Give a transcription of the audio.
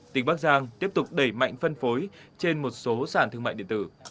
tỉnh bắc giang tiếp tục đẩy mạnh phân phối trên một số sản thương mại điện tử